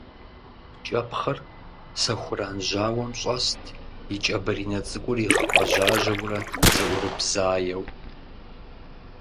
КӀэпхъыр сэхуран жьауэм щӀэст, и кӀэ баринэ цӀыкӀур игъэпӀэжьажьэурэ зэӀурыбзаеу.